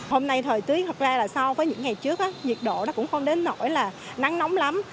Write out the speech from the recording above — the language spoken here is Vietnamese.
hôm nay thời tiết thật ra là so với những ngày trước nhiệt độ nó cũng không đến nổi là nắng nóng lắm